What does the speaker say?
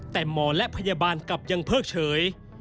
แต่หมอและพยาบาลกลับยังเพิกเฉย